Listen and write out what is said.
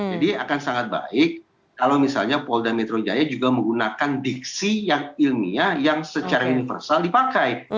jadi akan sangat baik kalau misalnya paul dan metro jaya juga menggunakan diksi yang ilmiah yang secara universal dipakai